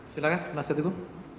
silahkan mas keteguh